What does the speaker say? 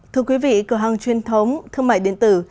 thưa quý vị cửa hàng truyền thống thương mại điện tử